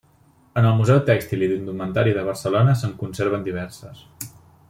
En el Museu Tèxtil i d'Indumentària de Barcelona se'n conserven diverses.